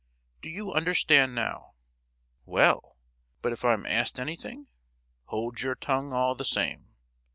Do you understand, now?" "Well, but if I'm asked anything?" "Hold your tongue all the same!"